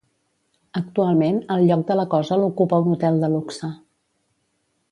Actualment el lloc de la cosa l'ocupa un hotel de luxe